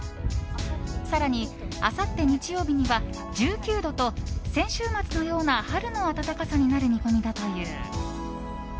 更に、あさって日曜日には１９度と先週末のような春の暖かさになる見込みだという。